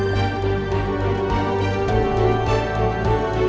kenapa kita salah satu heritz website